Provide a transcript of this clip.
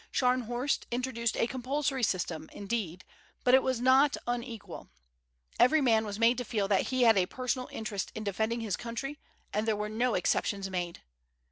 Scharnhorst introduced a compulsory system, indeed, but it was not unequal. Every man was made to feel that he had a personal interest in defending his country, and there were no exemptions made.